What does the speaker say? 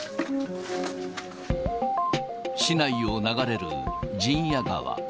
市内を流れる陣屋川。